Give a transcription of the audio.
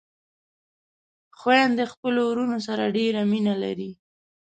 خويندې خپلو وروڼو سره ډېره مينه لري